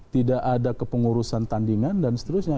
tidak ada kepengurusan tandingan dan seterusnya